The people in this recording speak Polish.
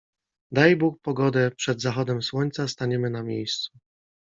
Daj Bóg pogodę, przed zachodem słońca staniemy na miejscu.